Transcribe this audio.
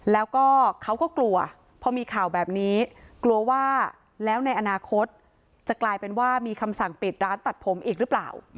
แล้วก็เขาก็กลัวพอมีข่าวแบบนี้กลัวว่าแล้วในอนาคตจะกลายเป็นว่ามีคำสั่งปิดร้านตัดผมอีกหรือเปล่า